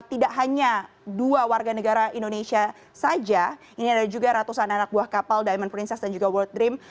tidak hanya dua warga negara indonesia saja ini ada juga ratusan anak buah kapal diamond princess dan juga world dream